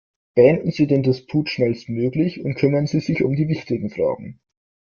Beenden Sie den Disput schnellstmöglich und kümmern Sie sich um die wichtigen Fragen.